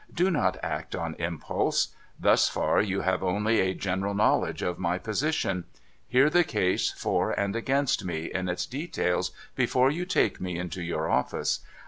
* Do not act on impulse. Thus far, you have only a general know ledge of my position. Hear the case for and against me, in its details, before you take me into your office.